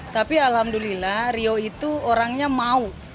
tapi alhamdulillah rio itu orangnya mau